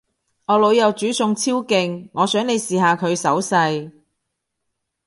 我老友煮餸超勁，我想你試下佢手勢